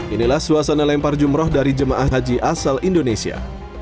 inilah suasana lempar jumroh dari jemaah haji asal indonesia